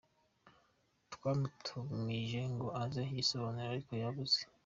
Twamutumije ngo aze yisobanure ariko yabuze.